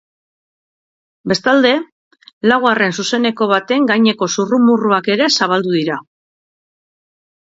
Bestalde, laugarren zuzeneko baten gaineko zurrumurruak ere zabaldu dira.